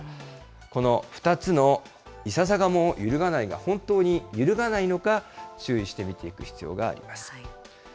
この２つのいささかも揺るがないが本当に揺るがないのか、注意して見ていく必要があります。